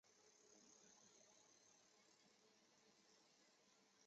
市场也提供农药残留检定及会计等的服务。